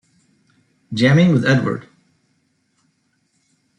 Jamming with Edward!